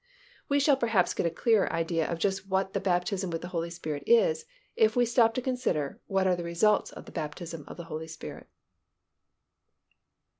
We shall perhaps get a clearer idea of just what the baptism with the Holy Spirit is, if we stop to consider what are the results of the baptism with the Holy Spirit.